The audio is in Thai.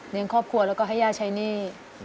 ครอบครัวแล้วก็ให้ย่าใช้หนี้